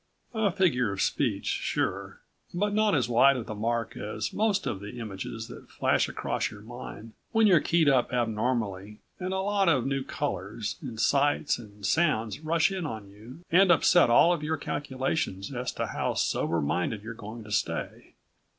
A figure of speech, sure. But not as wide of the mark as most of the images that flash across your mind when you're keyed up abnormally and a lot of new colors, and sights and sounds rush in on you and upset all of your calculations as to how sober minded you're going to stay.